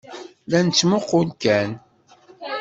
La nettmuqqul kan.